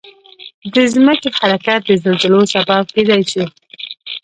د ځمکې حرکت د زلزلو سبب کېدای شي.